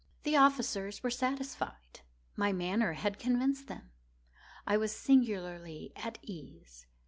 The officers were satisfied. My manner had convinced them. I was singularly at ease.